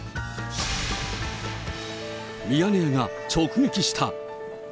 ミヤネ屋が直撃した。